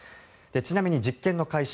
ちなみに実験の開始